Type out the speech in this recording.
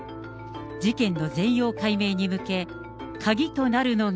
事件の全容解明に向け、鍵となるのが。